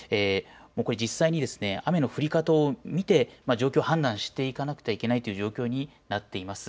実際に雨の降り方を見て状況を判断していかなければならないという状況になっています。